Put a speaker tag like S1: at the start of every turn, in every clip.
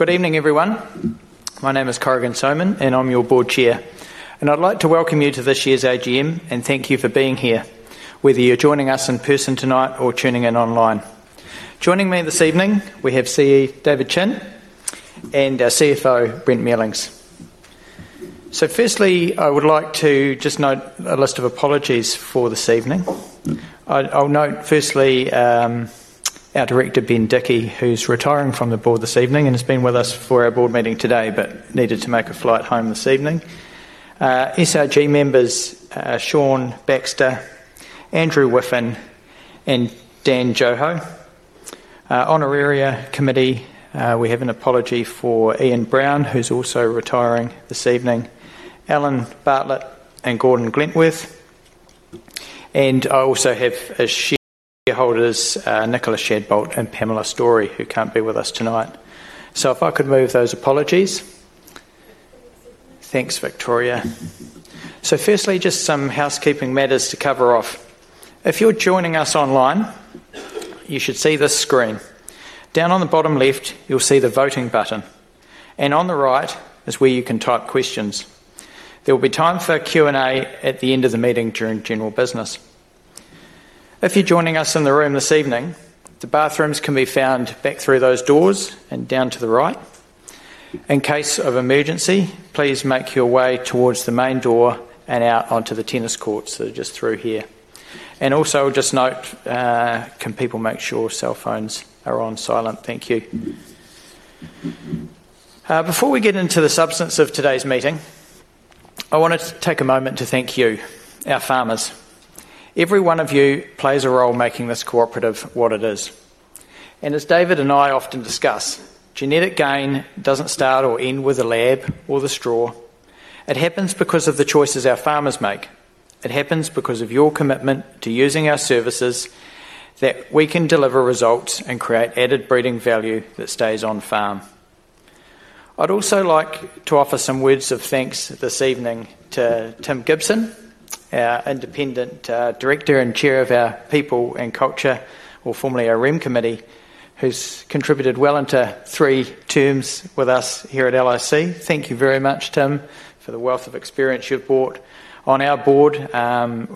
S1: Good evening, everyone. My name is Corrigan Sowman, and I'm your Board Chair. I'd like to welcome you to this year's AGM and thank you for being here, whether you're joining us in person tonight or tuning in online. Joining me this evening, we have CEO David Chin and our CFO, Brent Mealings. Firstly, I would like to just note a list of apologies for this evening. I'll note firstly, our director, Ben Dickie, who's retiring from the board this evening and has been with us for our board meeting today, but needed to make a flight home this evening. SRG members, Shaun Baxter, Andrew Wiffen, and Dan Joho. Honoraria Committee, we have an apology for Ian Brown, who's also retiring this evening, Alan Bartlett, and Gordon Glentworth. I also have shareholders, Nicola Shadbolt and Pamela Storey, who can't be with us tonight. If I could move those apologies. Thanks, Victoria. Firstly, just some housekeeping matters to cover off. If you're joining us online, you should see this screen. Down on the bottom left, you'll see the voting button. On the right is where you can type questions. There will be time for Q&A at the end of the meeting during general business. If you're joining us in the room this evening, the bathrooms can be found back through those doors and down to the right. In case of emergency, please make your way towards the main door and out onto the tennis courts. They're just through here. Also, I'll just note, can people make sure cell phones are on silent? Thank you. Before we get into the substance of today's meeting, I wanted to take a moment to thank you, our farmers. Every one of you plays a role in making this cooperative what it is. As David and I often discuss, genetic gain doesn't start or end with a lab or the straw. It happens because of the choices our farmers make. It happens because of your commitment to using our services that we can deliver results and create added breeding value that stays on farm. I'd also like to offer some words of thanks this evening to Tim Gibson, our Independent Director and Chair of our People and Culture, or formerly our RIM Committee, who's contributed well into three terms with us here at LIC. Thank you very much, Tim, for the wealth of experience you've brought on our board, from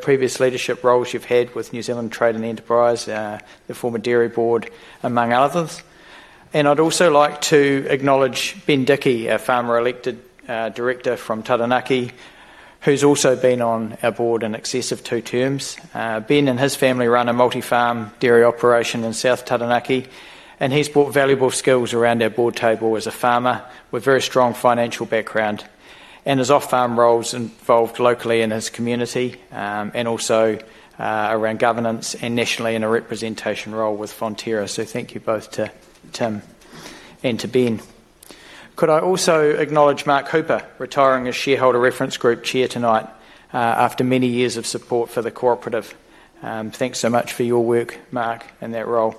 S1: previous leadership roles you've had with New Zealand Trade and Enterprise, the former Dairy Board, among others. I'd also like to acknowledge Ben Dickie, our farmer-elected director from Taranaki, who's also been on our board in excess of two terms. Ben and his family run a multi-farm dairy operation in South Taranaki, and he's brought valuable skills around our board table as a farmer with a very strong financial background and his off-farm roles involved locally in his community, and also around governance and nationally in a representation role with Fonterra. Thank you both to Tim and to Ben. Could I also acknowledge Mark Hooper, retiring as Shareholder Reference Group Chair tonight, after many years of support for the cooperative. Thanks so much for your work, Mark, in that role.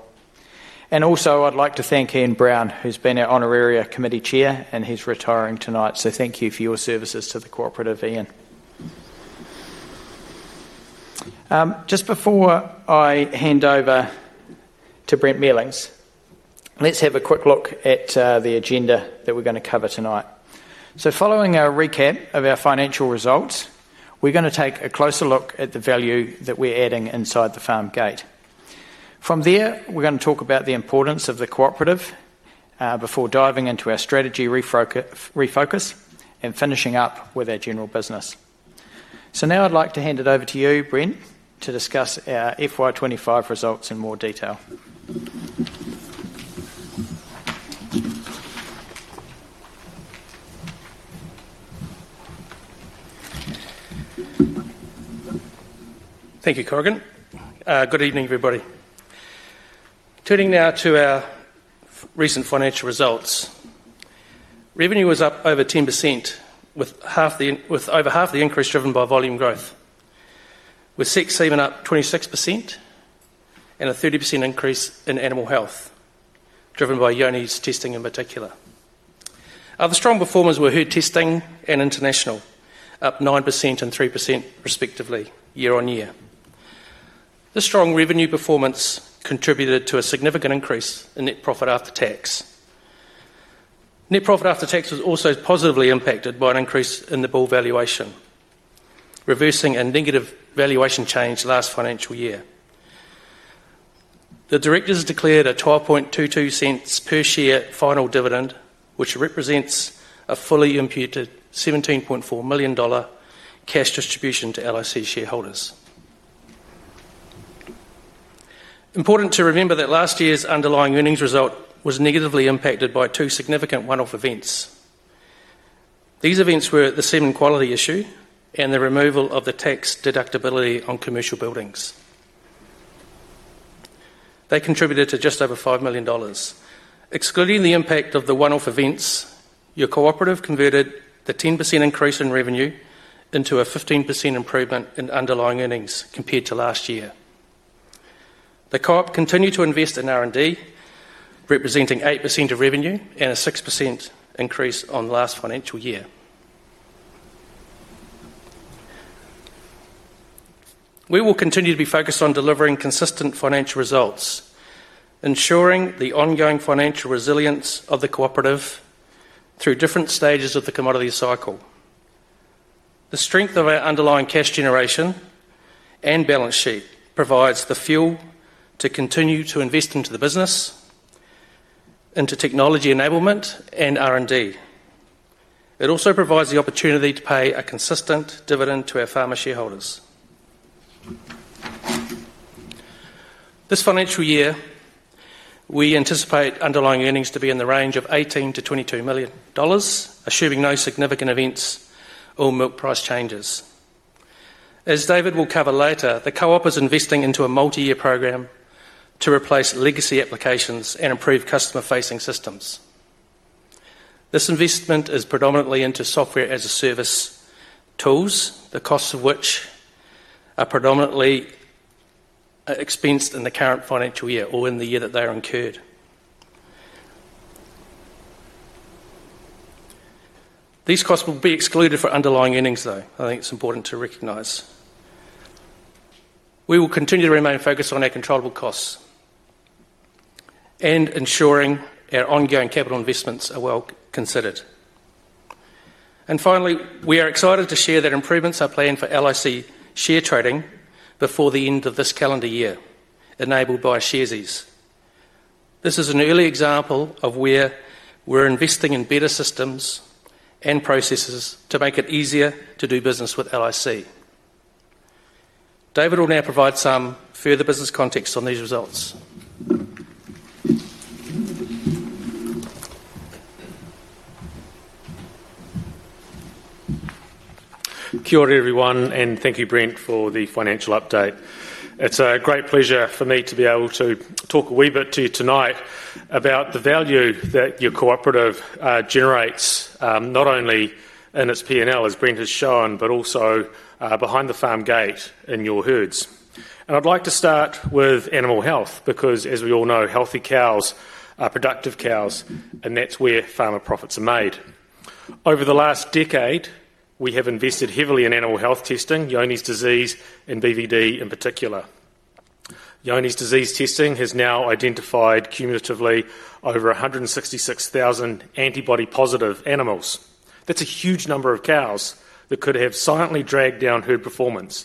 S1: I'd also like to thank Ian Brown, who's been our Honoraria Committee Chair, and he's retiring tonight. Thank you for your services to the cooperative, Ian. Just before I hand over to Brent Mealings, let's have a quick look at the agenda that we're going to cover tonight. Following our recap of our financial results, we're going to take a closer look at the value that we're adding inside the farm gate. From there, we're going to talk about the importance of the cooperative before diving into our strategy refocus and finishing up with our general business. Now I'd like to hand it over to you, Brent, to discuss our FY 2025 results in more detail.
S2: Thank you, Corrigan. Good evening, everybody. Turning now to our recent financial results, revenue was up over 10% with over half the increase driven by volume growth, with semen up 26% and a 30% increase in animal health, driven by Johne’s disease testing in particular. Other strong performers were herd testing and international, up 9% and 3% respectively, year on year. The strong revenue performance contributed to a significant increase in net profit after tax. Net profit after tax was also positively impacted by an increase in the bull team valuation, reversing a negative valuation change last financial year. The directors declared a $0.1222 per share final dividend, which represents a fully imputed $17.4 million cash distribution to LIC shareholders. It is important to remember that last year's underlying earnings result was negatively impacted by two significant one-off events. These events were the semen quality issue and the removal of the tax deductibility on commercial buildings. They contributed to just over $5 million. Excluding the impact of the one-off events, your cooperative converted the 10% increase in revenue into a 15% improvement in underlying earnings compared to last year. The co-op continued to invest in R&D, representing 8% of revenue and a 6% increase on last financial year. We will continue to be focused on delivering consistent financial results, ensuring the ongoing financial resilience of the cooperative through different stages of the commodity cycle. The strength of our underlying cash generation and balance sheet provides the fuel to continue to invest into the business, into technology enablement and R&D. It also provides the opportunity to pay a consistent dividend to our farmer shareholders. This financial year, we anticipate underlying earnings to be in the range of $18 million-$22 million, assuming no significant events or milk price changes. As David will cover later, the co-op is investing into a multi-year program to replace legacy applications and improve customer-facing systems. This investment is predominantly into software as a service tools, the costs of which are predominantly expensed in the current financial year or in the year that they are incurred. These costs will be excluded for underlying earnings, though. I think it's important to recognize. We will continue to remain focused on our controllable costs and ensuring our ongoing capital investments are well considered. Finally, we are excited to share that improvements are planned for LIC share trading before the end of this calendar year, enabled by Sharesies. This is an early example of where we're investing in better systems and processes to make it easier to do business with LIC. David will now provide some further business context on these results.
S3: Good morning, everyone, and thank you, Brent, for the financial update. It's a great pleasure for me to be able to talk a wee bit to you tonight about the value that your cooperative generates, not only in its P&L, as Brent has shown, but also behind the farm gate in your herds. I'd like to start with animal health because, as we all know, healthy cows are productive cows, and that's where farmer profits are made. Over the last decade, we have invested heavily in animal health testing, Johne’s disease, and BVD in particular. Johne’s disease testing has now identified cumulatively over 166,000 antibody-positive animals. That's a huge number of cows that could have silently dragged down herd performance,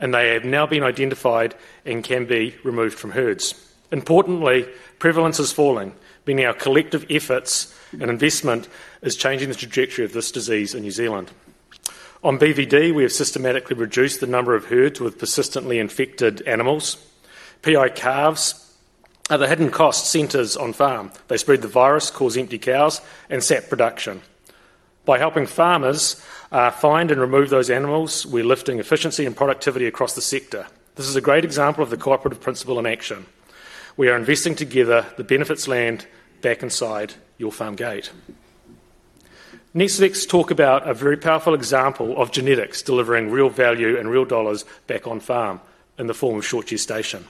S3: and they have now been identified and can be removed from herds. Importantly, prevalence has fallen, meaning our collective efforts and investment are changing the trajectory of this disease in New Zealand. On BVD, we have systematically reduced the number of herds with persistently infected animals. PI calves are the hidden cost centers on farm. They spread the virus, cause empty cows, and sap production. By helping farmers find and remove those animals, we're lifting efficiency and productivity across the sector. This is a great example of the cooperative principle in action. We are investing together, the benefits land back inside your farm gate. Next, let's talk about a very powerful example of genetics delivering real value and real dollars back on farm in the form of short gestation.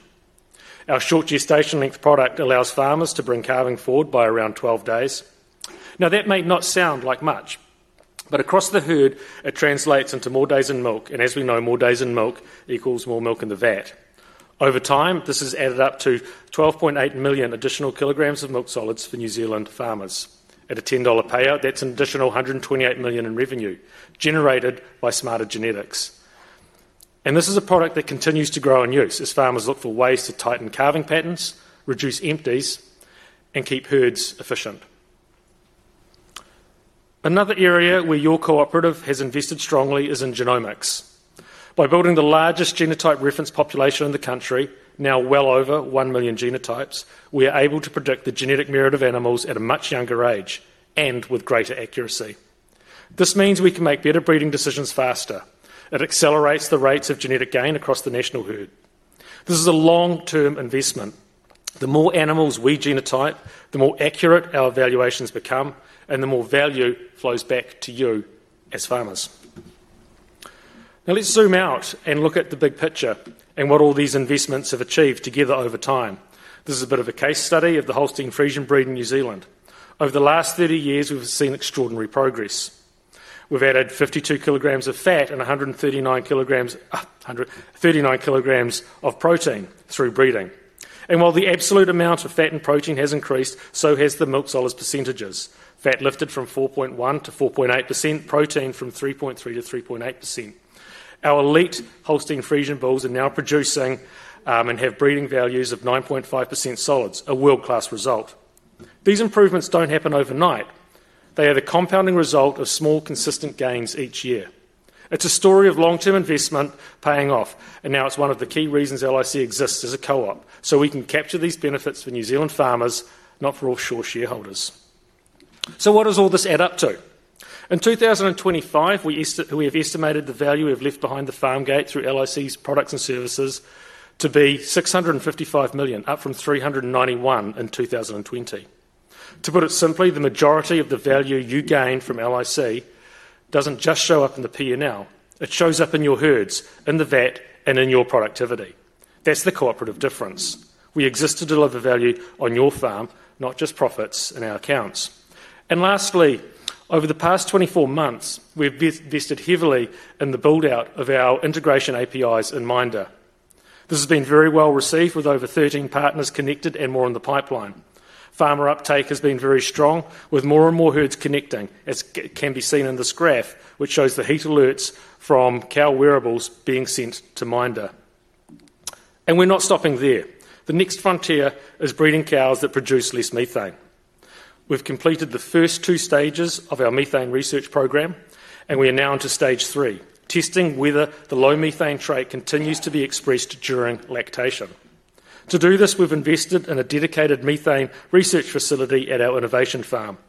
S3: Our short gestation length product allows farmers to bring calving forward by around 12 days. Now, that may not sound like much, but across the herd, it translates into more days in milk, and as we know, more days in milk equals more milk in the vat. Over time, this has added up to 12.8 million additional kilograms of milk solids for New Zealand farmers. At a $10 payout, that's an additional $128 million in revenue generated by smarter genetics. This is a product that continues to grow in use as farmers look for ways to tighten calving patterns, reduce empties, and keep herds efficient. Another area where your cooperative has invested strongly is in genomics. By building the largest genotype reference population in the country, now well over 1 million genotypes, we are able to predict the genetic merit of animals at a much younger age and with greater accuracy. This means we can make better breeding decisions faster. It accelerates the rates of genetic gain across the national herd. This is a long-term investment. The more animals we genotype, the more accurate our evaluations become, and the more value flows back to you as farmers. Now, let's zoom out and look at the big picture and what all these investments have achieved together over time. This is a bit of a case study of the Holstein Friesian breed in New Zealand. Over the last 30 years, we've seen extraordinary progress. We've added 52 kg of fat and 139 kg of protein through breeding. While the absolute amount of fat and protein has increased, so have the milk solids percentages. Fat lifted from 4.1% to 4.8%, protein from 3.3% to 3.8%. Our elite Holstein Friesian bulls are now producing and have breeding values of 9.5% solids, a world-class result. These improvements don't happen overnight. They are the compounding result of small consistent gains each year. It's a story of long-term investment paying off, and now it's one of the key reasons LIC exists as a co-op, so we can capture these benefits for New Zealand farmers, not for offshore shareholders. What does all this add up to? In 2025, we have estimated the value we've left behind the farm gate through LIC's products and services to be $655 million, up from $391 million in 2020. To put it simply, the majority of the value you gain from LIC doesn't just show up in the P&L. It shows up in your herds, in the vat, and in your productivity. That's the cooperative difference. We exist to deliver value on your farm, not just profits in our accounts. Lastly, over the past 24 months, we've invested heavily in the build-out of our integration APIs in MINDA. This has been very well received with over 13 partners connected and more in the pipeline. Farmer uptake has been very strong, with more and more herds connecting, as can be seen in this graph, which shows the heat alerts from cow wearables being sent to MINDA. We're not stopping there. The next frontier is breeding cows that produce less methane. We've completed the first two stages of our methane research program, and we are now on to stage three, testing whether the low methane trait continues to be expressed during lactation. To do this, we've invested in a dedicated methane research facility at our innovation farm,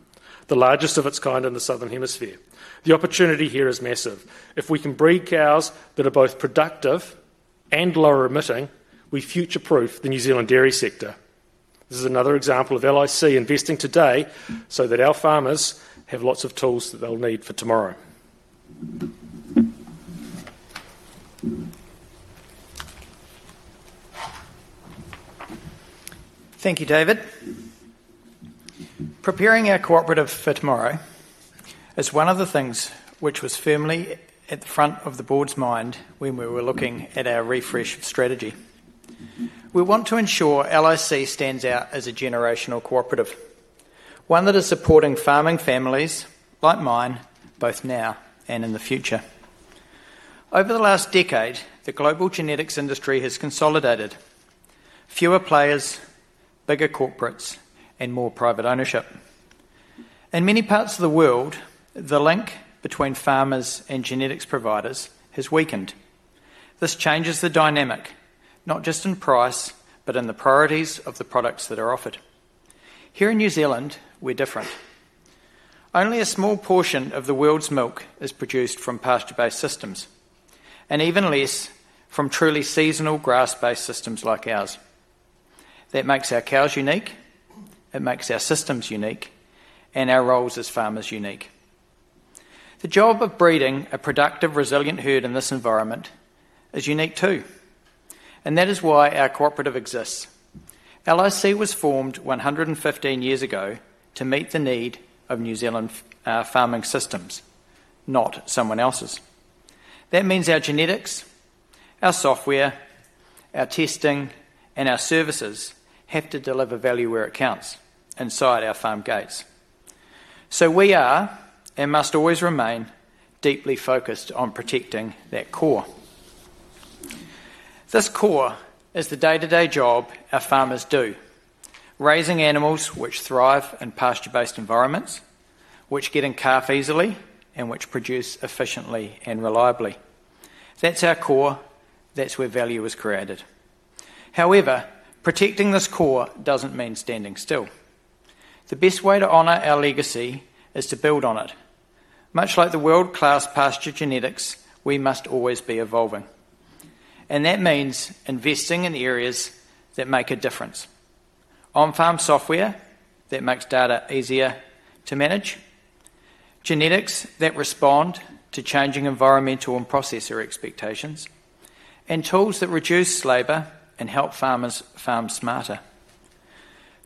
S3: the largest of its kind in the southern hemisphere. The opportunity here is massive. If we can breed cows that are both productive and lower emitting, we future-proof the New Zealand dairy sector. This is another example of LIC investing today so that our farmers have lots of tools that they'll need for tomorrow.
S1: Thank you, David. Preparing our cooperative for tomorrow is one of the things which was firmly at the front of the board's mind when we were looking at our refresh strategy. We want to ensure LIC stands out as a generational cooperative, one that is supporting farming families like mine, both now and in the future. Over the last decade, the global genetics industry has consolidated. Fewer players, bigger corporates, and more private ownership. In many parts of the world, the link between farmers and genetics providers has weakened. This changes the dynamic, not just in price, but in the priorities of the products that are offered. Here in New Zealand, we're different. Only a small portion of the world's milk is produced from pasture-based systems, and even less from truly seasonal grass-based systems like ours. That makes our cows unique, it makes our systems unique, and our roles as farmers unique. The job of breeding a productive, resilient herd in this environment is unique too. That is why our cooperative exists. LIC was formed 115 years ago to meet the need of New Zealand farming systems, not someone else's. That means our genetics, our software, our testing, and our services have to deliver value where it counts, inside our farm gates. We are, and must always remain, deeply focused on protecting that core. This core is the day-to-day job our farmers do. Raising animals which thrive in pasture-based environments, which get in calf easily, and which produce efficiently and reliably. That's our core. That's where value is created. However, protecting this core doesn't mean standing still. The best way to honor our legacy is to build on it. Much like the world-class pasture genetics, we must always be evolving. That means investing in areas that make a difference. On-farm software that makes data easier to manage, genetics that respond to changing environmental and processor expectations, and tools that reduce labor and help farmers farm smarter.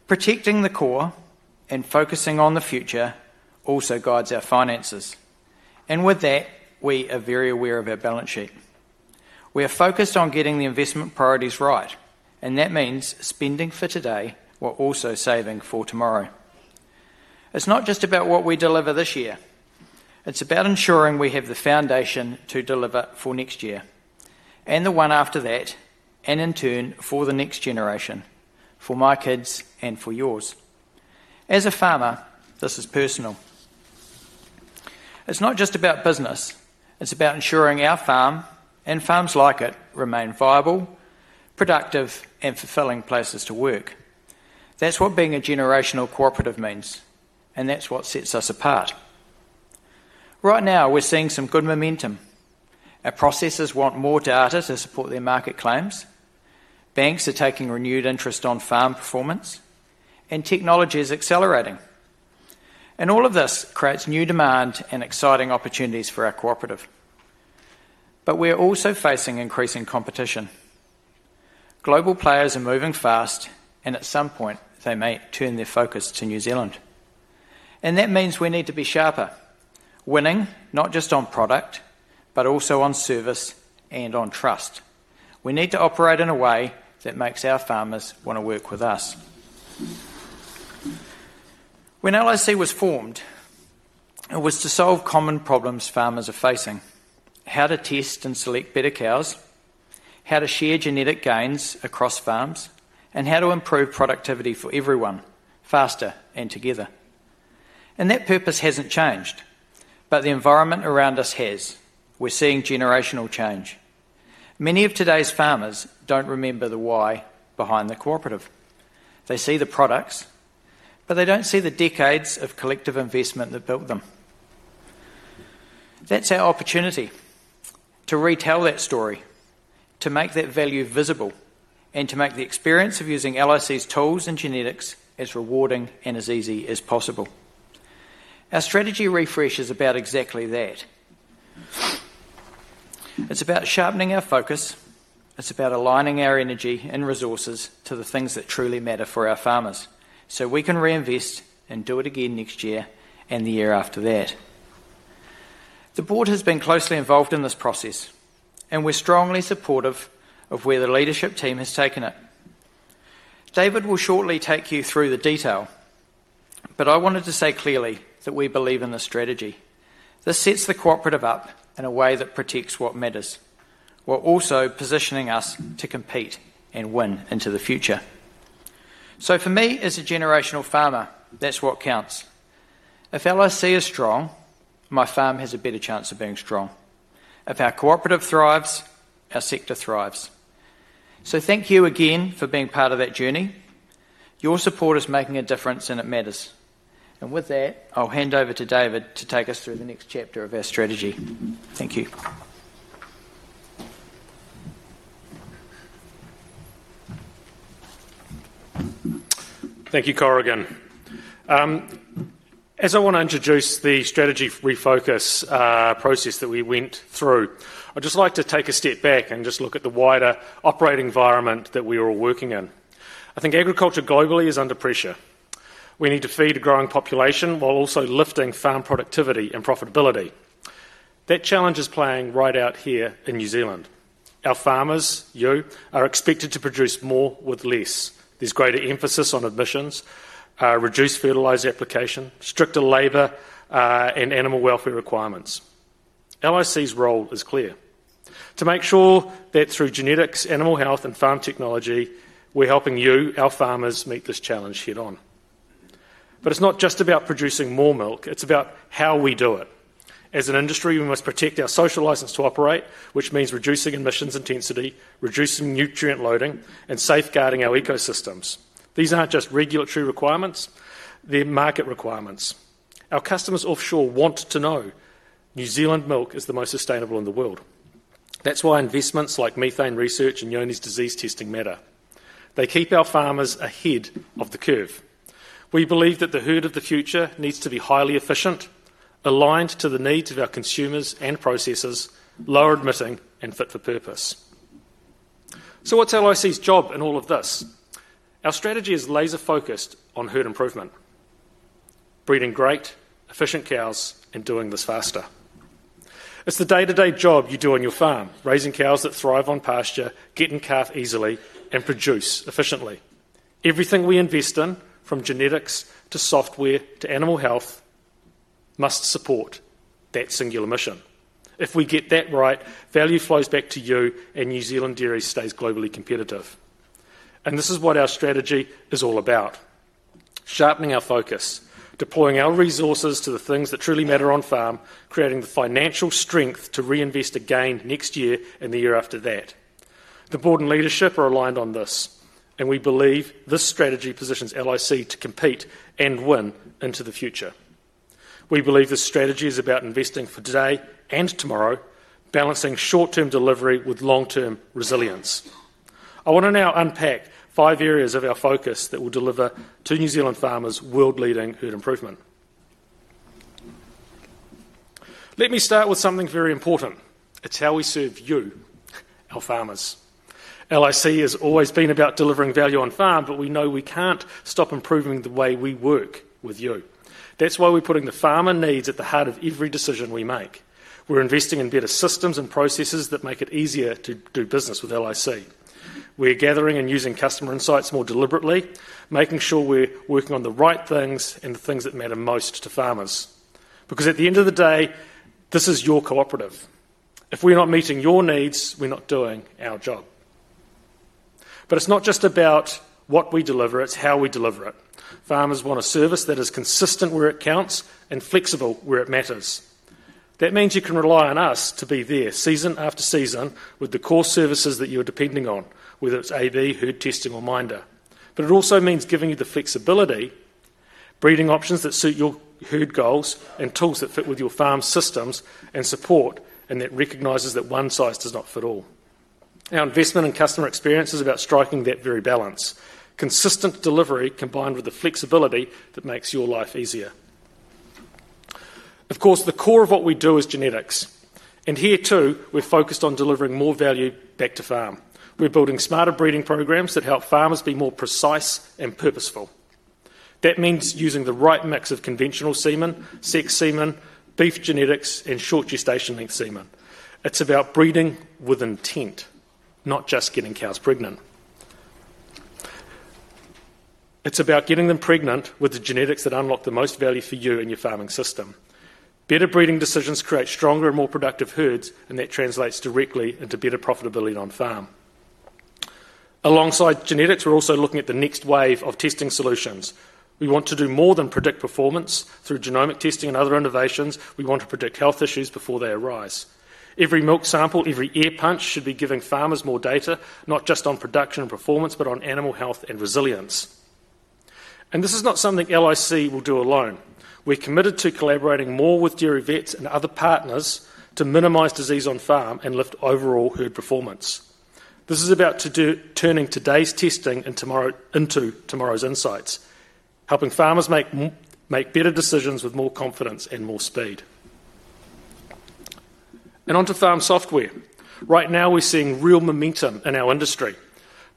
S1: Protecting the core and focusing on the future also guides our finances. We are very aware of our balance sheet. We are focused on getting the investment priorities right. That means spending for today while also saving for tomorrow. It's not just about what we deliver this year. It's about ensuring we have the foundation to deliver for next year, and the one after that, and in turn for the next generation, for my kids and for yours. As a farmer, this is personal. It's not just about business. It's about ensuring our farm and farms like it remain viable, productive, and fulfilling places to work. That's what being a generational cooperative means. That's what sets us apart. Right now, we're seeing some good momentum. Our processors want more data to support their market claims. Banks are taking renewed interest in farm performance, and technology is accelerating. All of this creates new demand and exciting opportunities for our cooperative. We're also facing increasing competition. Global players are moving fast, and at some point, they may turn their focus to New Zealand. That means we need to be sharper, winning not just on product, but also on service and on trust. We need to operate in a way that makes our farmers want to work with us. When LIC was formed, it was to solve common problems farmers are facing: how to test and select better cows, how to share genetic gains across farms, and how to improve productivity for everyone, faster and together. That purpose hasn't changed, but the environment around us has. We're seeing generational change. Many of today's farmers don't remember the why behind the cooperative. They see the products, but they don't see the decades of collective investment that built them. That's our opportunity to retell that story, to make that value visible, and to make the experience of using LIC's tools and genetics as rewarding and as easy as possible. Our strategy refresh is about exactly that. It's about sharpening our focus. It's about aligning our energy and resources to the things that truly matter for our farmers so we can reinvest and do it again next year and the year after that. The board has been closely involved in this process, and we're strongly supportive of where the leadership team has taken it. David will shortly take you through the detail, but I wanted to say clearly that we believe in the strategy. This sets the cooperative up in a way that protects what matters, while also positioning us to compete and win into the future. For me, as a generational farmer, that's what counts. If LIC is strong, my farm has a better chance of being strong. If our cooperative thrives, our sector thrives. Thank you again for being part of that journey. Your support is making a difference, and it matters. With that, I'll hand over to David to take us through the next chapter of our strategy. Thank you.
S3: Thank you, Corrigan. As I want to introduce the strategy refocus process that we went through, I'd just like to take a step back and look at the wider operating environment that we are all working in. I think agriculture globally is under pressure. We need to feed a growing population while also lifting farm productivity and profitability. That challenge is playing right out here in New Zealand. Our farmers, you, are expected to produce more with less. There's greater emphasis on emissions, reduced fertilizer application, stricter labor, and animal welfare requirements. LIC's role is clear. To make sure that through genetics, animal health, and farm technology, we're helping you, our farmers, meet this challenge head-on. It's not just about producing more milk. It's about how we do it. As an industry, we must protect our social license to operate, which means reducing emissions intensity, reducing nutrient loading, and safeguarding our ecosystems. These aren't just regulatory requirements. They're market requirements. Our customers offshore want to know New Zealand milk is the most sustainable in the world. That's why investments like methane reduction research and Johne’s disease testing matter. They keep our farmers ahead of the curve. We believe that the herd of the future needs to be highly efficient, aligned to the needs of our consumers and processors, lower emitting, and fit for purpose. What's LIC's job in all of this? Our strategy is laser-focused on herd improvement, breeding great, efficient cows, and doing this faster. It's the day-to-day job you do on your farm, raising cows that thrive on pasture, get in calf easily, and produce efficiently. Everything we invest in, from genetics to software to animal health, must support that singular mission. If we get that right, value flows back to you, and New Zealand dairy stays globally competitive. This is what our strategy is all about: sharpening our focus, deploying our resources to the things that truly matter on farm, creating the financial strength to reinvest again next year and the year after that. The board and leadership are aligned on this, and we believe this strategy positions LIC to compete and win into the future. We believe this strategy is about investing for today and tomorrow, balancing short-term delivery with long-term resilience. I want to now unpack five areas of our focus that will deliver to New Zealand farmers world-leading herd improvement. Let me start with something very important. It's how we serve you, our farmers. LIC has always been about delivering value on farm, but we know we can't stop improving the way we work with you. That's why we're putting the farmer needs at the heart of every decision we make. We're investing in better systems and processes that make it easier to do business with LIC. We're gathering and using customer insights more deliberately, making sure we're working on the right things and the things that matter most to farmers. Because at the end of the day, this is your cooperative. If we're not meeting your needs, we're not doing our job. It's not just about what we deliver; it's how we deliver it. Farmers want a service that is consistent where it counts and flexible where it matters. That means you can rely on us to be there season after season with the core services that you are depending on, whether it's AI, herd testing, or MINDA. It also means giving you the flexibility, breeding options that suit your herd goals, and tools that fit with your farm systems and support, and that recognizes that one size does not fit all. Our investment in customer experience is about striking that very balance: consistent delivery combined with the flexibility that makes your life easier. Of course, the core of what we do is genetics. Here, too, we're focused on delivering more value back to farm. We're building smarter breeding programs that help farmers be more precise and purposeful. That means using the right mix of conventional semen, sexed semen, beef genetics, and short gestation length semen. It's about breeding with intent, not just getting cows pregnant. It's about getting them pregnant with the genetics that unlock the most value for you and your farming system. Better breeding decisions create stronger and more productive herds, and that translates directly into better profitability on farm. Alongside genetics, we're also looking at the next wave of testing solutions. We want to do more than predict performance through genomic testing and other innovations. We want to predict health issues before they arise. Every milk sample, every ear punch should be giving farmers more data, not just on production and performance, but on animal health and resilience. This is not something LIC will do alone. We're committed to collaborating more with dairy vets and other partners to minimize disease on farm and lift overall herd performance. This is about turning today's testing into tomorrow's insights, helping farmers make better decisions with more confidence and more speed. Onto farm software. Right now, we're seeing real momentum in our industry.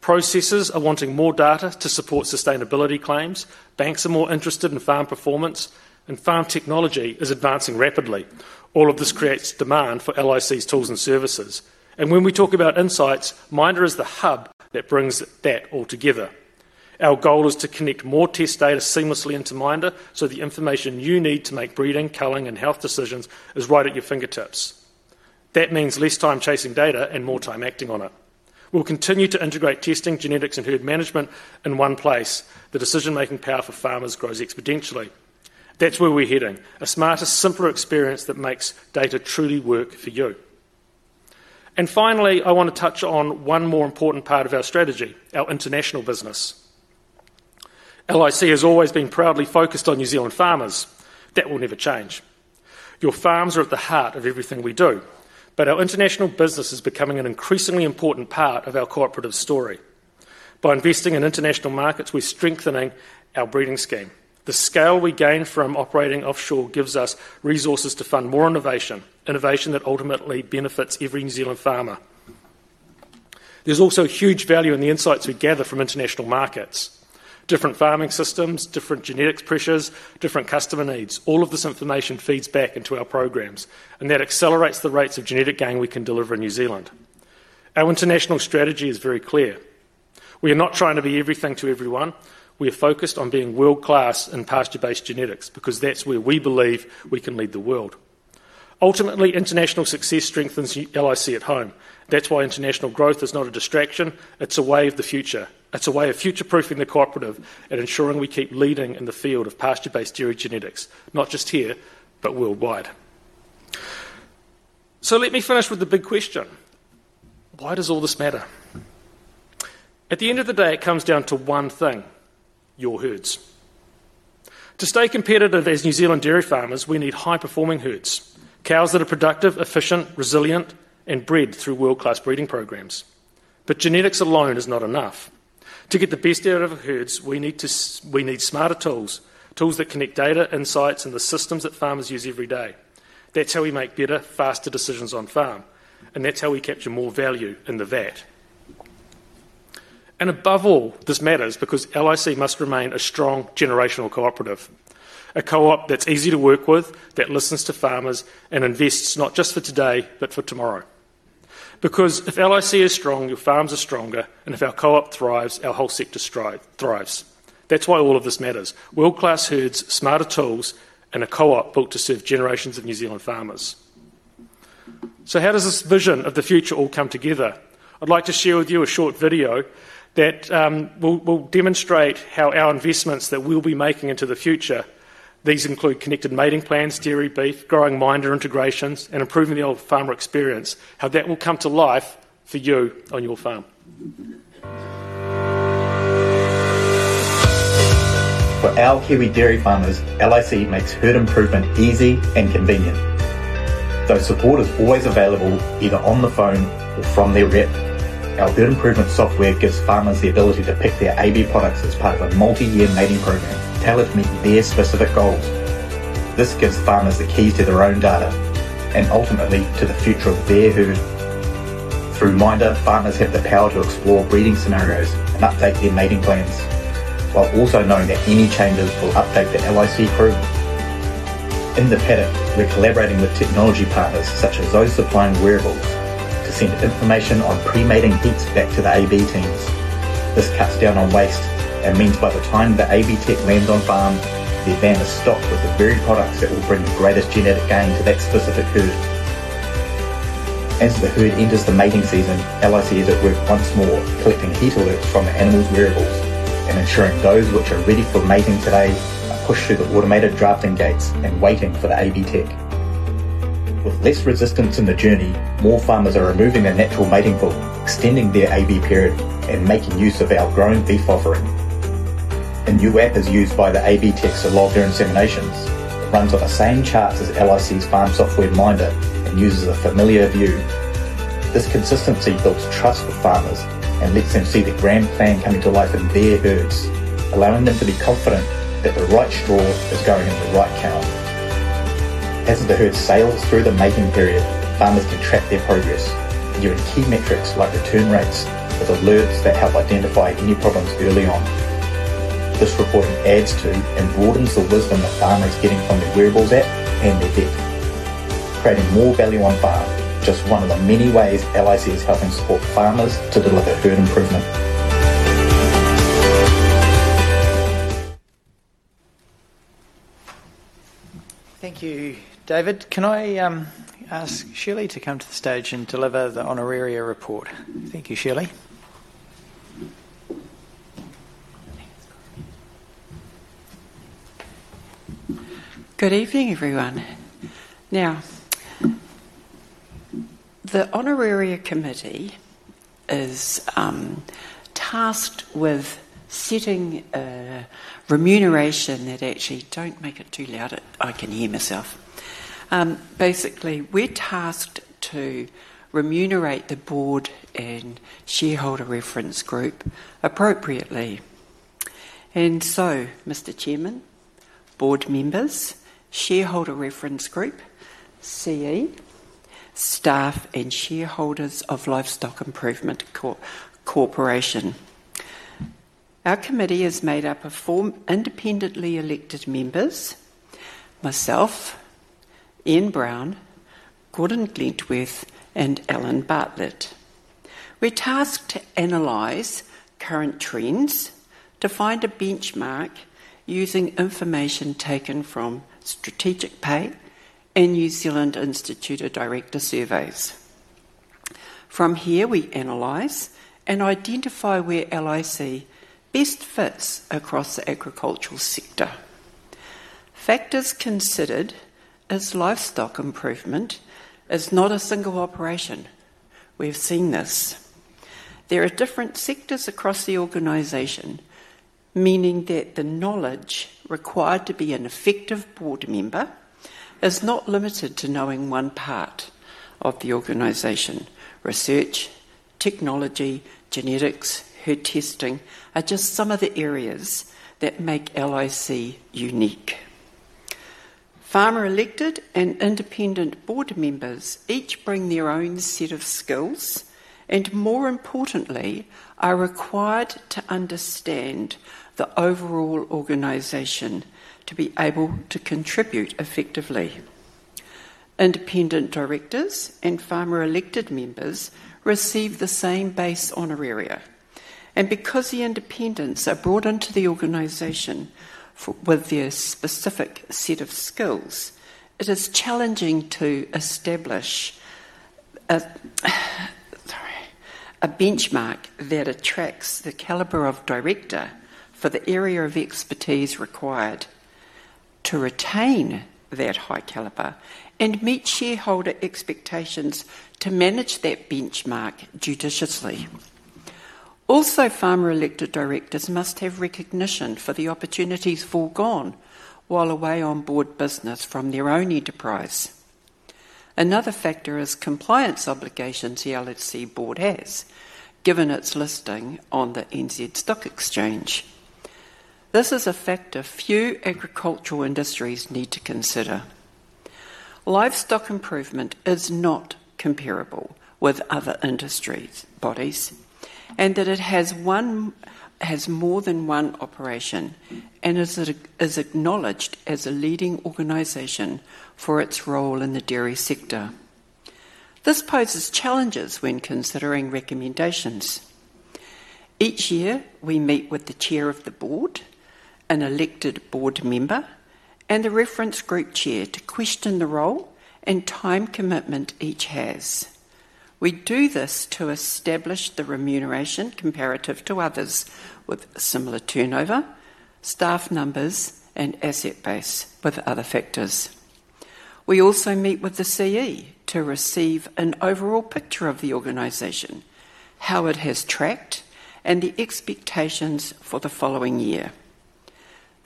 S3: Processors are wanting more data to support sustainability claims. Banks are more interested in farm performance, and farm technology is advancing rapidly. All of this creates demand for LIC's tools and services. When we talk about insights, MINDA is the hub that brings that all together. Our goal is to connect more test data seamlessly into MINDA, so the information you need to make breeding, culling, and health decisions is right at your fingertips. That means less time chasing data and more time acting on it. We'll continue to integrate testing, genetics, and herd management in one place. The decision-making power for farmers grows exponentially. That is where we're heading: a smarter, simpler experience that makes data truly work for you. Finally, I want to touch on one more important part of our strategy: our international business. LIC has always been proudly focused on New Zealand farmers. That will never change. Your farms are at the heart of everything we do. Our international business is becoming an increasingly important part of our cooperative story. By investing in international markets, we're strengthening our breeding scheme. The scale we gain from operating offshore gives us resources to fund more innovation, innovation that ultimately benefits every New Zealand farmer. There is also huge value in the insights we gather from international markets. Different farming systems, different genetics pressures, different customer needs, all of this information feeds back into our programs, and that accelerates the rates of genetic gain we can deliver in New Zealand. Our international strategy is very clear. We are not trying to be everything to everyone. We are focused on being world-class in pasture-based genetics because that is where we believe we can lead the world. Ultimately, international success strengthens LIC at home. That is why international growth is not a distraction. It is a way of the future. It is a way of future-proofing the cooperative and ensuring we keep leading in the field of pasture-based dairy genetics, not just here, but worldwide. Let me finish with the big question. Why does all this matter? At the end of the day, it comes down to one thing: your herds. To stay competitive as New Zealand dairy farmers, we need high-performing herds, cows that are productive, efficient, resilient, and bred through world-class breeding programs. Genetics alone is not enough. To get the best out of herds, we need smarter tools, tools that connect data, insights, and the systems that farmers use every day. That is how we make better, faster decisions on farm. That is how we capture more value in the vat. Above all, this matters because LIC must remain a strong generational cooperative, a co-op that is easy to work with, that listens to farmers, and invests not just for today, but for tomorrow. If LIC is strong, your farms are stronger, and if our co-op thrives, our whole sector thrives. That is why all of this matters: world-class herds, smarter tools, and a co-op built to serve generations of New Zealand farmers. How does this vision of the future all come together? I would like to share with you a short video that will demonstrate how our investments that we will be making into the future, these include connected mating plans, dairy beef, growing MINDA integrations, and improving the old farmer experience, how that will come to life for you on your farm.
S4: For our Kiwi dairy farmers, LIC makes herd improvement easy and convenient. Support is always available, either on the phone or from their rep. Our herd improvement software gives farmers the ability to pick their AB products as part of a multi-year mating program tailored to meet their specific goals. This gives farmers the keys to their own data and ultimately to the future of their herd. Through MINDA, farmers have the power to explore breeding scenarios and update their mating plans, while also knowing that any changes will update the LIC’s route. In the paddock, we're collaborating with technology partners such as those supplying wearables to send information on pre-mating heats back to the AB teams. This cuts down on waste and means by the time the AB tech lands on farm, their van is stocked with the very products that will bring the greatest genetic gain to that specific herd. As the herd enters the mating season, LIC is at work once more, collecting heat alerts from animal wearables and ensuring those which are ready for mating today are pushed through the automated drafting gates and waiting for the AB tech. With less resistance in the journey, more farmers are removing their natural mating bull, extending their AB period, and making use of our grown beef offering. A new app is used by the AB tech to log their inseminations, runs on the same charts as LIC's farm software MINDA and uses a familiar view. This consistency builds trust with farmers and lets them see the grand plan coming to life in their herds, allowing them to be confident that the right straw is going into the right cow. As the herd sails through the mating period, farmers can track their progress, viewing key metrics like return rates with alerts that help identify any problems early on. This report adds to and broadens the wisdom the farmer is getting from the wearables app and their feed, creating more value on farm. Just one of the many ways LIC is helping support farmers to develop their herd improvement.
S1: Thank you, David. Can I ask Shirley to come to the stage and deliver the honoraria report? Thank you, Shirley.
S5: Good evening, everyone. Now, the Honoraria Committee is tasked with setting a remuneration that actually, don't make it too loud. I can hear myself. Basically, we're tasked to remunerate the board and Shareholder Reference Group appropriately. Mr. Chairman, board members, Shareholder Reference Group, CEO, staff, and shareholders of Livestock Improvement Corporation. Our committee is made up of four independently elected members: myself, Anna Brown, Gordon Glentworth, and Alan Bartlett. We're tasked to analyze current trends, to find a benchmark using information taken from Strategic Pay and New Zealand Institute of Directors surveys. From here, we analyze and identify where LIC best fits across the agricultural sector. Factors considered are livestock improvement. It's not a single operation. We've seen this. There are different sectors across the organization, meaning that the knowledge required to be an effective board member is not limited to knowing one part of the organization. Research, technology, genetics, herd testing are just some of the areas that make LIC unique. Farmer-elected and independent board members each bring their own set of skills and, more importantly, are required to understand the overall organization to be able to contribute effectively. Independent directors and farmer-elected members receive the same base honoraria. Because the independents are brought into the organization with their specific set of skills, it is challenging to establish a benchmark that attracts the caliber of director for the area of expertise required to retain that high caliber and meet shareholder expectations to manage that benchmark judiciously. Also, farmer-elected directors must have recognition for the opportunities foregone while away on board business from their own enterprise. Another factor is compliance obligations the LIC board has, given its listing on the NZ Stock Exchange. This is a factor few agricultural industries need to consider. Livestock Improvement is not comparable with other industries, bodies, in that it has more than one operation and is acknowledged as a leading organization for its role in the dairy sector. This poses challenges when considering recommendations. Each year, we meet with the Chair of the Board, an elected board member, and the Reference Group Chair to question the role and time commitment each has. We do this to establish the remuneration comparative to others with similar turnover, staff numbers, and asset base with other factors. We also meet with the CEO to receive an overall picture of the organization, how it has tracked, and the expectations for the following year.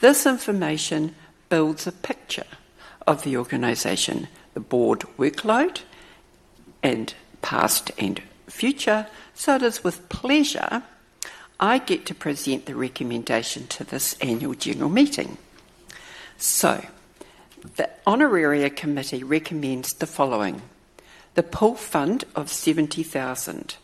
S5: This information builds a picture of the organization, the board workload, and past and future, so it is with pleasure I get to present the recommendation to this Annual General Meeting. The Honoraria Committee recommends the following: the pool fund of $70,000.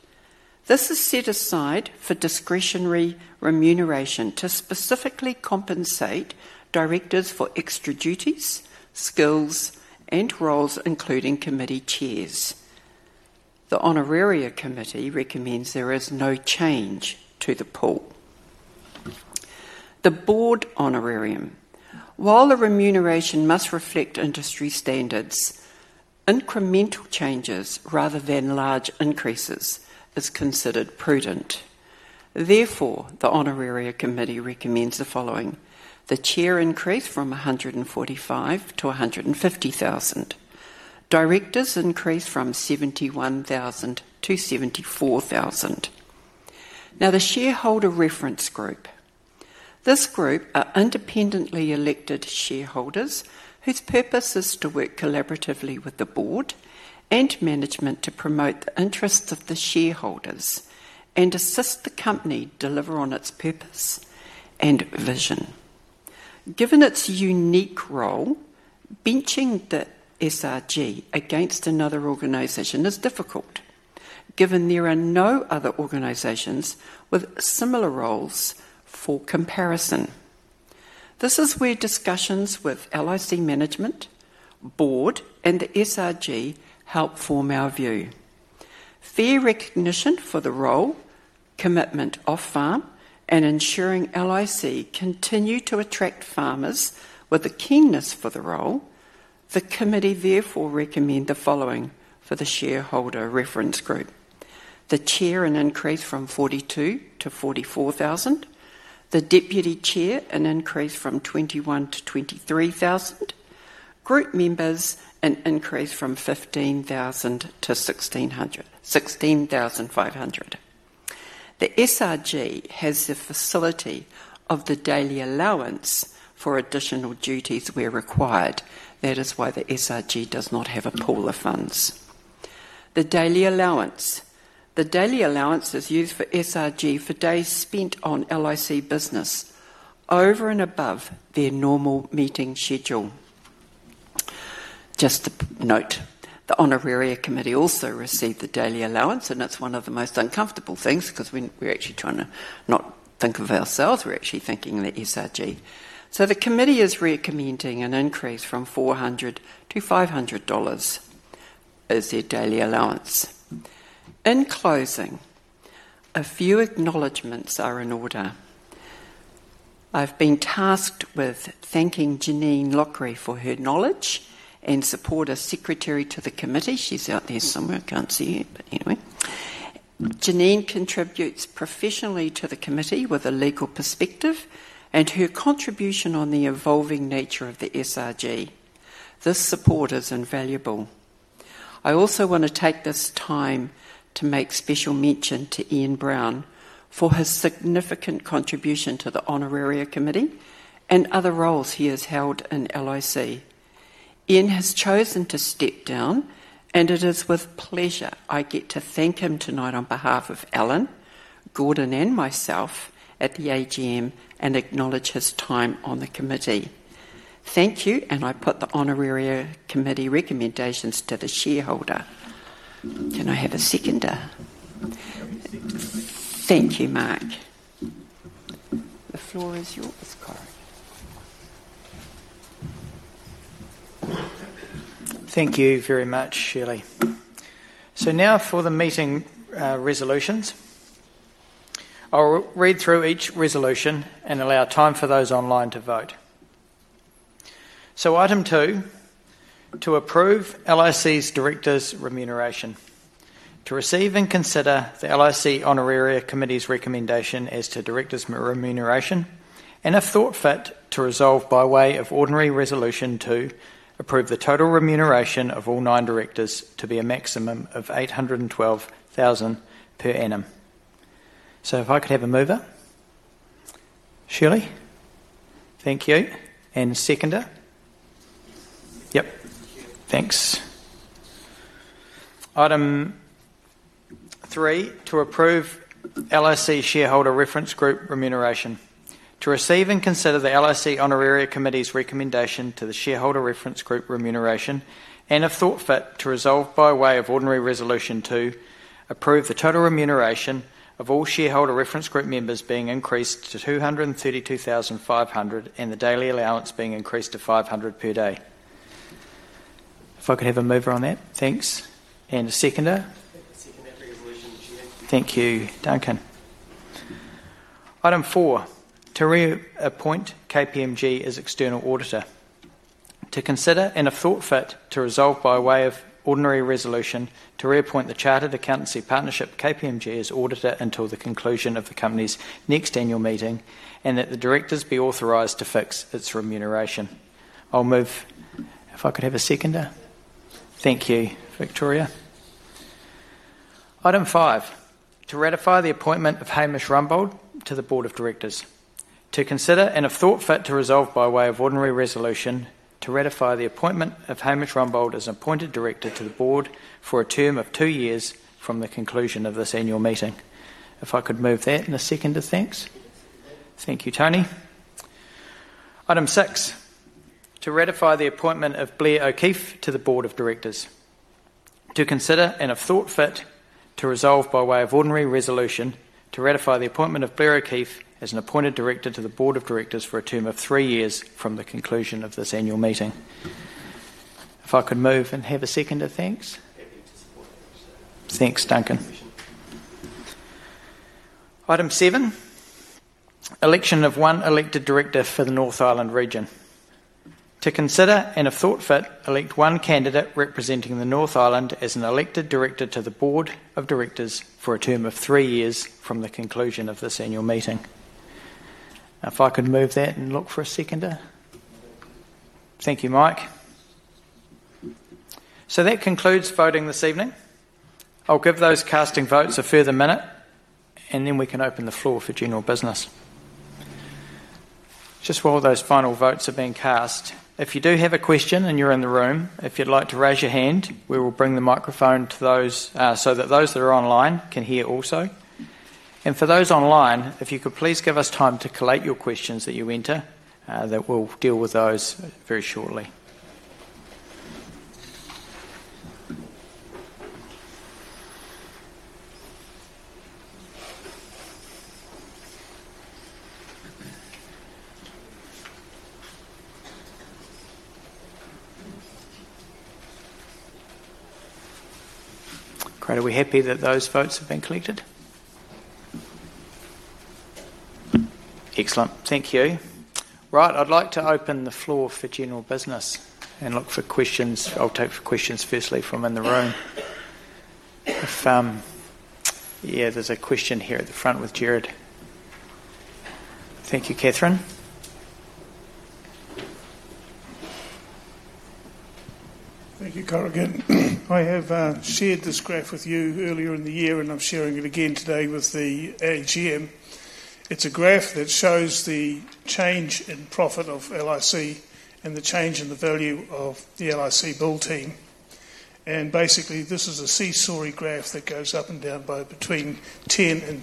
S5: This is set aside for discretionary remuneration to specifically compensate directors for extra duties, skills, and roles, including committee chairs. The Honoraria Committee recommends there is no change to the pool. The board honorarium. While the remuneration must reflect industry standards, incremental changes rather than large increases are considered prudent. Therefore, the Honoraria Committee recommends the following: the Chair increase from $145,000 to $150,000, Directors increase from $71,000 to $74,000. Now, the Shareholder Reference Group. This group are independently elected shareholders whose purpose is to work collaboratively with the board and management to promote the interests of the shareholders and assist the company to deliver on its purpose and vision. Given its unique role, benching the SRG against another organization is difficult, given there are no other organizations with similar roles for comparison. This is where discussions with LIC management, board, and the SRG help form our view. Fair recognition for the role, commitment off-farm, and ensuring LIC continue to attract farmers with a keenness for the role, the committee therefore recommends the following for the Shareholder Reference Group: the Chair an increase from $42,000 to $44,000, the Deputy Chair an increase from $21,000 to $23,000, group members an increase from $15,000 to $16,500. The SRG has the facility of the daily allowance for additional duties where required. That is why the SRG does not have a pool of funds. The daily allowance. The daily allowance is used for SRG for days spent on LIC business over and above their normal meeting schedule. Just to note, the Honoraria Committee also received the daily allowance, and it's one of the most uncomfortable things because we're actually trying to not think of ourselves. We're actually thinking the SRG. The committee is recommending an increase from $400 to $500 as their daily allowance. In closing, a few acknowledgements are in order. I've been tasked with thanking Janine Lockery for her knowledge and support as Secretary to the Committee. She's out there somewhere. I can't see it, but anyway. Janine contributes professionally to the committee with a legal perspective and her contribution on the evolving nature of the SRG. This support is invaluable. I also want to take this time to make special mention to Ian Brown for his significant contribution to the Honoraria Committee and other roles he has held in LIC. Ian has chosen to step down, and it is with pleasure I get to thank him tonight on behalf of Alan, Gordon, and myself at the AGM and acknowledge his time on the committee. Thank you, and I put the Honoraria Committee recommendations to the shareholder. Can I have a seconder? Thank you, Mark. The floor is yours, Corrigan.
S1: Thank you very much, Shirley. Now for the meeting resolutions. I'll read through each resolution and allow time for those online to vote. Item two, to approve LIC's directors' remuneration, to receive and consider the LIC Honoraria Committee's recommendation as to directors' remuneration, and if thought fit, to resolve by way of ordinary resolution to approve the total remuneration of all nine directors to be a maximum of $812,000 per annum. If I could have a mover. Shirley? Thank you. And seconder? Yep. Thanks. Item three, to approve LIC Shareholder Reference Group remuneration, to receive and consider the LIC Honoraria Committee's recommendation to the Shareholder Reference Group remuneration, and if thought fit, to resolve by way of ordinary resolution to approve the total remuneration of all s members being increased to $232,500 and the daily allowance being increased to $500 per day. If I could have a mover on that, thanks. And a seconder? Thank you, Duncan. Item four, to reappoint KPMG as external auditor, to consider and if thought fit, to resolve by way of ordinary resolution to reappoint the chartered accountancy partnership KPMG as auditor until the conclusion of the company's next annual meeting and that the directors be authorized to fix its remuneration. I'll move. If I could have a seconder? Thank you, Victoria. Item five, to ratify the appointment of Hamish Rumbold to the Board of Directors, to consider and if thought fit, to resolve by way of ordinary resolution to ratify the appointment of Hamish Rumbold as an appointed director to the board for a term of two years from the conclusion of this annual meeting. If I could move that and a seconder, thanks. Thank you, Tony. Item six, to ratify the appointment of Blair O’Keefe to the Board of Directors, to consider and if thought fit, to resolve by way of ordinary resolution to ratify the appointment of Blair O’Keefe as an appointed director to the Board of Directors for a term of three years from the conclusion of this annual meeting. If I could move and have a seconder, thanks. Thanks, Duncan. Item seven, election of one elected director for the North Island region, to consider and if thought fit, elect one candidate representing the North Island as an elected director to the Board of Directors for a term of three years from the conclusion of this annual meeting. If I could move that and look for a seconder. Thank you, Mike. That concludes voting this evening. I'll give those casting votes a further minute, and then we can open the floor for general business. While those final votes are being cast, if you do have a question and you're in the room, if you'd like to raise your hand, we will bring the microphone to you so that those that are online can hear also. For those online, if you could please give us time to collate your questions that you enter, we'll deal with those very shortly. Great. Are we happy that those votes have been collected? Excellent. Thank you. I'd like to open the floor for general business and look for questions. I'll take questions firstly from in the room. There's a question here at the front with Jared. Thank you, Catherine.
S6: Thank you, Corrigan. I have shared this graph with you earlier in the year, and I'm sharing it again today with the AGM. It's a graph that shows the change in profit of LIC and the change in the value of the LIC bull team. Basically, this is a seesaw graph that goes up and down by between $30 million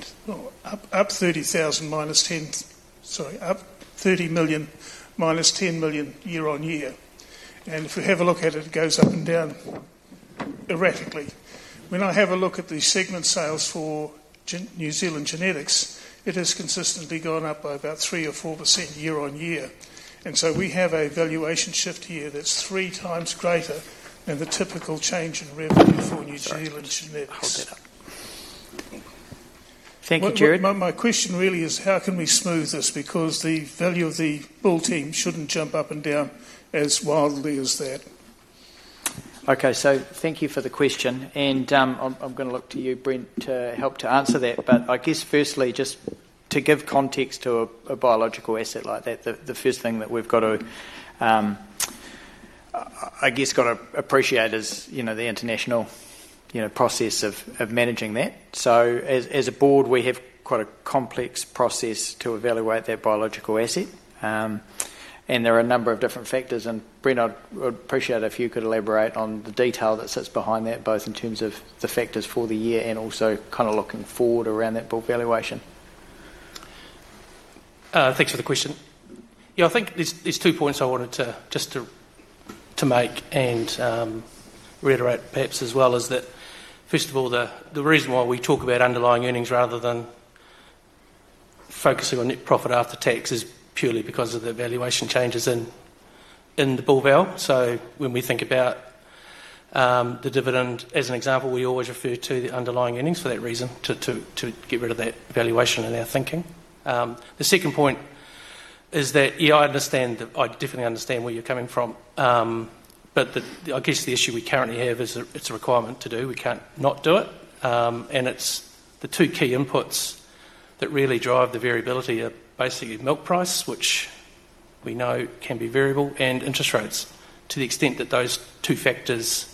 S6: and -$10 million year on year. If we have a look at it, it goes up and down erratically. When I have a look at the segment sales for New Zealand genetics, it has consistently gone up by about 3% or 4% year on year. We have a valuation shift here that's 3x greater than the typical change in revenue for New Zealand genetics.
S1: Thank you, Jared.
S6: My question really is, how can we smooth this? Because the value of the bull team shouldn't jump up and down as wildly as that.
S1: Thank you for the question. I'm going to look to you, Brent, to help to answer that. Firstly, just to give context to a biological asset like that, the first thing that we've got to appreciate is the international process of managing that. As a board, we have quite a complex process to evaluate that biological asset. There are a number of different factors. Brent, I'd appreciate it if you could elaborate on the detail that sits behind that, both in terms of the factors for the year and also kind of looking forward around that bull team valuation.
S2: Thanks for the question. I think there's two points I wanted to just make and reiterate perhaps as well. First of all, the reason why we talk about underlying earnings rather than focusing on net profit after tax is purely because of the valuation changes in the bull team valuation. When we think about the dividend as an example, we always refer to the underlying earnings for that reason to get rid of that valuation in our thinking. The second point is that I understand that, I definitely understand where you're coming from. I guess the issue we currently have is it's a requirement to do. We can't not do it. The two key inputs that really drive the variability are basically milk price, which we know can be variable, and interest rates. To the extent that those two factors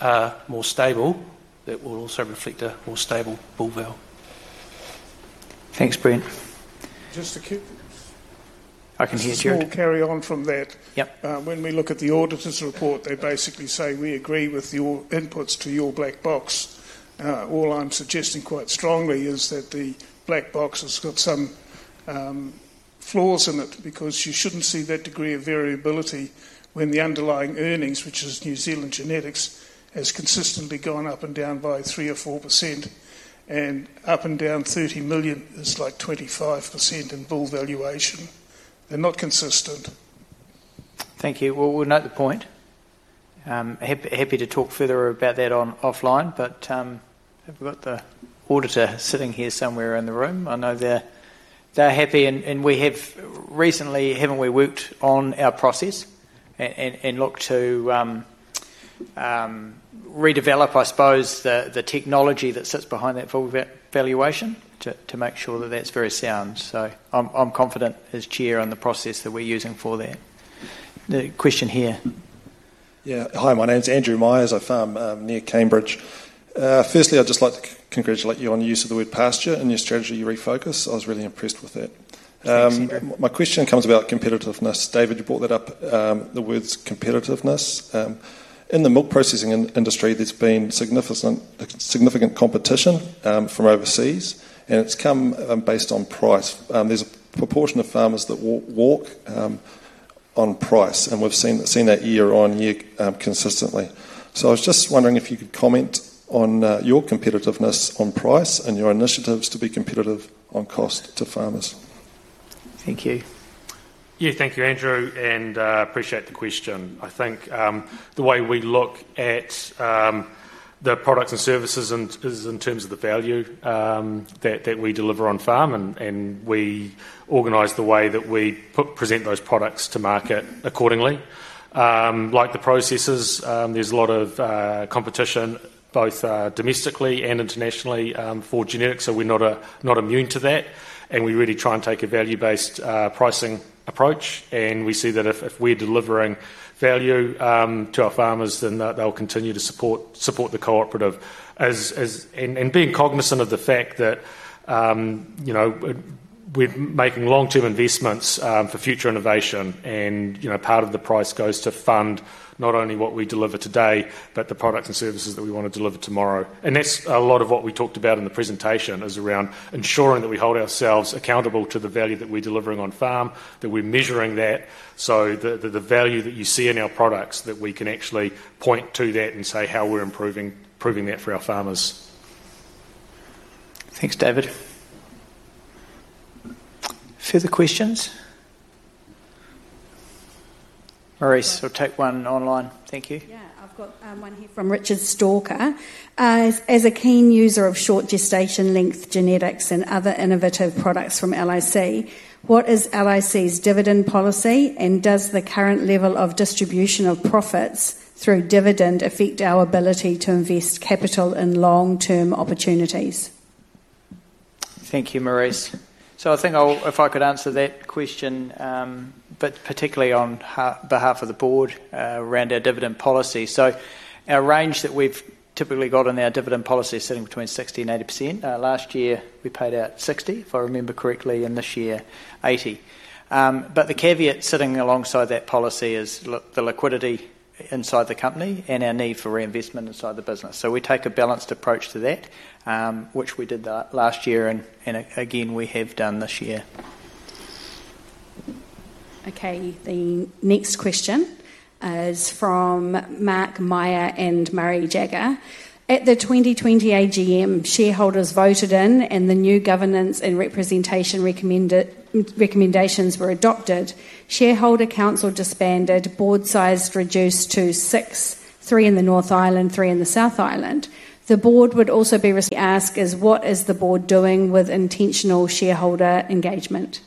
S2: are more stable, that will also reflect a more stable bull team valuation.
S1: Thanks, Brent.
S6: Just to keep this, I can just carry on from that. When we look at the auditor's report, they basically say we agree with your inputs to your black box. All I'm suggesting quite strongly is that the black box has got some flaws in it because you shouldn't see that degree of variability when the underlying earnings, which is New Zealand genetics, has consistently gone up and down by 3% or 4%. Up and down $30 million is like 25% in bull team valuation. They're not consistent.
S1: Thank you. We'll note the point. Happy to talk further about that offline, but we've got the auditor sitting here somewhere in the room. I know they're happy, and we have recently, haven't we, worked on our process and looked to redevelop, I suppose, the technology that sits behind that bull team valuation to make sure that that's very sound. I'm confident as Chair on the process that we're using for that. The question here.
S7: Yeah, hi, my name's Andrew Myers. I farm near Cambridge. Firstly, I'd just like to congratulate you on the use of the word pasture in your strategy refocus. I was really impressed with that. My question comes about competitiveness. David, you brought that up, the words competitiveness. In the milk processing industry, there's been significant competition from overseas, and it's come based on price. There's a proportion of farmers that walk on price, and we've seen that year on year consistently. I was just wondering if you could comment on your competitiveness on price and your initiatives to be competitive on cost to farmers.
S1: Thank you.
S3: Thank you, Andrew, and I appreciate the question. I think the way we look at the products and services is in terms of the value that we deliver on farm, and we organize the way that we present those products to market accordingly. Like the processors, there's a lot of competition both domestically and internationally for genetics, so we're not immune to that. We really try and take a value-based pricing approach, and we see that if we're delivering value to our farmers, then they'll continue to support the cooperative. Being cognizant of the fact that we're making long-term investments for future innovation, part of the price goes to fund not only what we deliver today, but the products and services that we want to deliver tomorrow. That's a lot of what we talked about in the presentation, around ensuring that we hold ourselves accountable to the value that we're delivering on farm, that we're measuring that, so that the value that you see in our products, we can actually point to that and say how we're improving that for our farmers.
S1: Thanks, David. Further questions? All right, I'll take one online. Thank you.
S8: Yeah, I've got one here from Richard Stalker. As a keen user of short gestation length genetics and other innovative products from LIC, what is LIC's dividend policy, and does the current level of distribution of profits through dividend affect our ability to invest capital in long-term opportunities?
S1: Thank you, Marise. I think if I could answer that question, particularly on behalf of the board around our dividend policy. Our range that we've typically got in our dividend policy is sitting between 60% and 80%. Last year, we paid out 60%, if I remember correctly, and this year 80%. The caveat sitting alongside that policy is the liquidity inside the company and our need for reinvestment inside the business. We take a balanced approach to that, which we did last year, and again, we have done this year.
S8: Okay, the next question is from Mark Meyer and Murray Jagger. At the 2020 AGM, shareholders voted in, and the new governance and representation recommendations were adopted. Shareholder council disbanded, board size reduced to six, three in the North Island, three in the South Island. The board would also be. The ask is, what is the board doing with intentional shareholder engagement?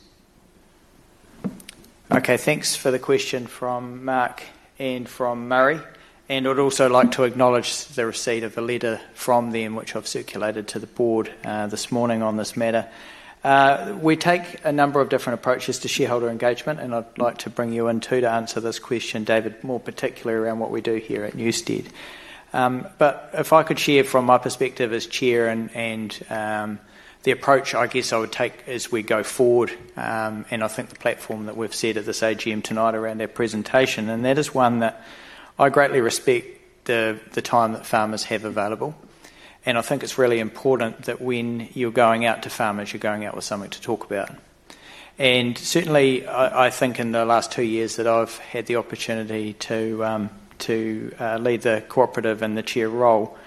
S1: Okay, thanks for the question from Mark and from Murray. I'd also like to acknowledge the receipt of a letter from them, which I've circulated to the board this morning on this matter. We take a number of different approaches to shareholder engagement, and I'd like to bring you in too to answer this question, David, more particularly around what we do here at Newstead. If I could share from my perspective as Chair and the approach I guess I would take as we go forward, I think the platform that we've set at this AGM tonight around our presentation is one that I greatly respect the time that farmers have available. I think it's really important that when you're going out to farmers, you're going out with something to talk about. Certainly, I think in the last two years that I've had the opportunity to lead the cooperative in the Chair role,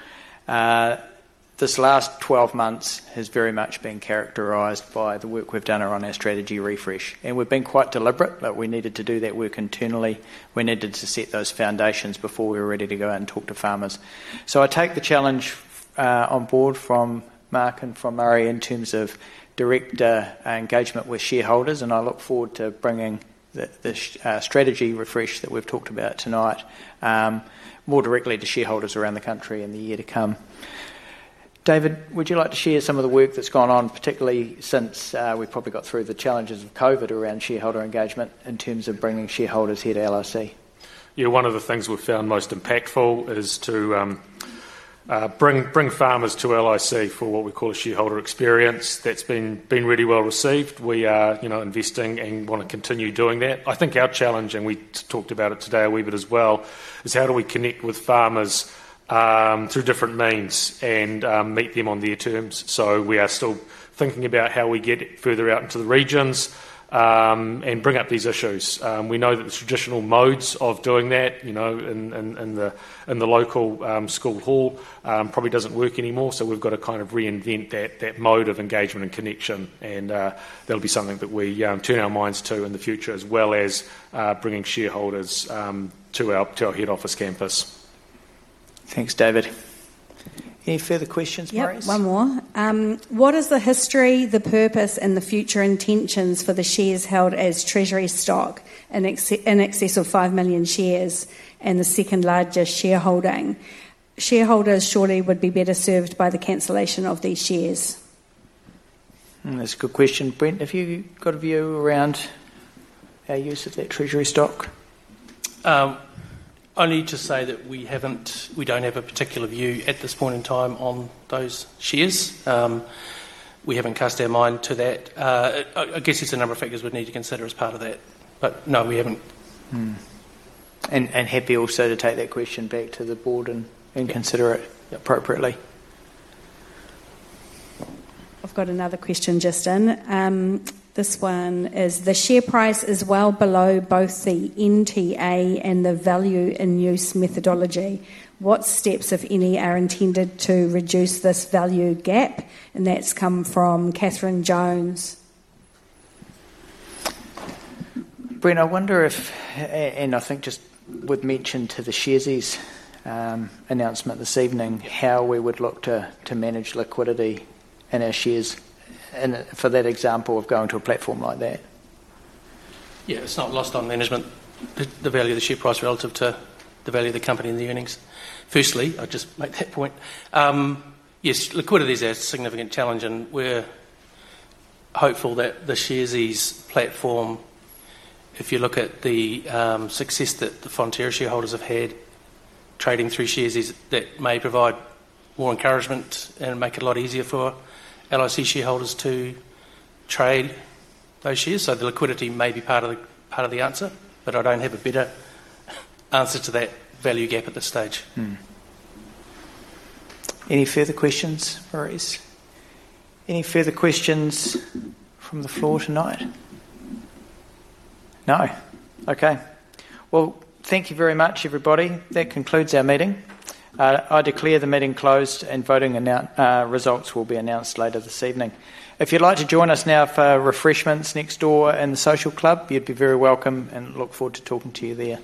S1: this last 12 months has very much been characterized by the work we've done around our strategy refresh. We've been quite deliberate that we needed to do that work internally. We needed to set those foundations before we were ready to go out and talk to farmers. I take the challenge on board from Mark and from Murray in terms of director engagement with shareholders, and I look forward to bringing the strategy refresh that we've talked about tonight more directly to shareholders around the country in the year to come. David, would you like to share some of the work that's gone on, particularly since we probably got through the challenges of COVID around shareholder engagement in terms of bringing shareholders here to LIC?
S3: Yeah, one of the things we've found most impactful is to bring farmers to LIC for what we call a shareholder experience. That's been really well received. We are investing and want to continue doing that. I think our challenge, and we talked about it today as well, is how do we connect with farmers through different means and meet them on their terms. We are still thinking about how we get further out into the regions and bring up these issues. We know that the traditional modes of doing that, you know, in the local school hall probably don't work anymore. We've got to kind of reinvent that mode of engagement and connection. That'll be something that we turn our minds to in the future, as well as bringing shareholders to our head office campus.
S1: Thanks, David. Any further questions, Marise?
S8: Yeah, one more. What is the history, the purpose, and the future intentions for the shares held as treasury stock in excess of 5 million shares and the second largest shareholding? Shareholders surely would be better served by the cancellation of these shares.
S1: That's a good question. Brent, have you got a view around our use of that treasury stock?
S2: I need to say that we don't have a particular view at this point in time on those shares. We haven't cast our mind to that. I guess there's a number of factors we'd need to consider as part of that. No, we haven't.
S1: I am happy also to take that question back to the board and consider it appropriately.
S8: I've got another question just in. This one is, the share price is well below both the NTA and the value in use methodology. What steps, if any, are intended to reduce this value gap? That's come from Catherine Jones.
S1: Brent, I wonder if, and I think just would mention to the Sharesies announcement this evening, how we would look to manage liquidity in our shares and for that example of going to a platform like that.
S2: Yeah, it's not lost on management, the value of the share price relative to the value of the company in the earnings. Firstly, I just make that point. Yes, liquidity is a significant challenge, and we're hopeful that the Sharesies platform, if you look at the success that the Fonterra shareholders have had trading through Sharesies, that may provide more encouragement and make it a lot easier for LIC shareholders to trade those shares. The liquidity may be part of the answer, but I don't have a better answer to that value gap at this stage.
S1: Any further questions, Marise? Any further questions from the floor tonight? No? Thank you very much, everybody. That concludes our meeting. I declare the meeting closed and voting results will be announced later this evening. If you'd like to join us now for refreshments next door in the social club, you'd be very welcome and look forward to talking to you there.